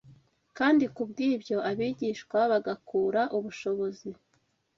kandi kubw’ibyo abigishwa bagakūra ubushobozi